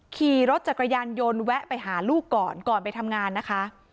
ขี่รถจักรยานยนต์แวะไปหาลูกก่อนก่อนไปทำงานนะคะ